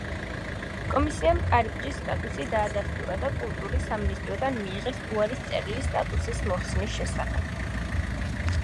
კომისიამ კარიბჭის სტატუსი დაადასტურა და კულტურის სამინისტროდან მიიღეს უარის წერილი სტატუსის მოხსნის შესახებ.